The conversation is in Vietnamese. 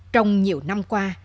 trong nhiều năm qua